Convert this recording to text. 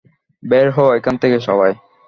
বের হও এখান থেকে সবাই!